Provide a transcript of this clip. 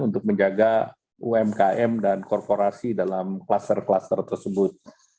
untuk menjaga umkm dan korporasi dalam kluster kluster tersebut